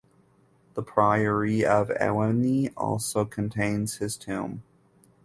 The priory of Ewenny also contains his tomb.